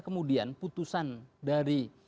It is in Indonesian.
kemudian putusan dari